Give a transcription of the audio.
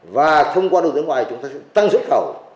và thông qua đầu tư nước ngoài chúng ta sẽ tăng xuất khẩu